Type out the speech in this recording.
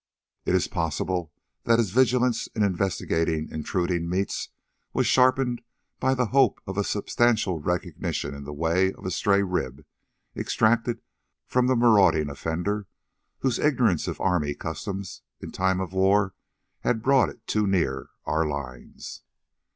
It is possible that his vigilance in investigating intruding meats was sharpened by the hope of substantial recognition in the way of a stray rib extracted from the marauding offender whose ignorance of army customs in time of war had brought it too near our lines.